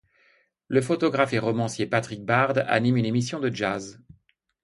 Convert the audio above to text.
Le photographe et romancier Patrick Bard anime une émission de jazz.